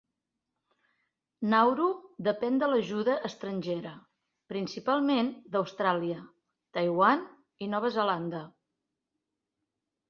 Nauru depèn de l'ajuda estrangera, principalment d'Austràlia, Taiwan i Nova Zelanda.